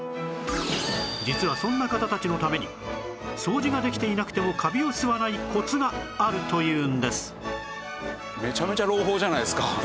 実はそんな方たちのために掃除ができていなくてもカビを吸わないコツがあるというんです